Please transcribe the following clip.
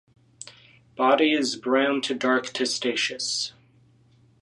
Body is brown to dark testaceous.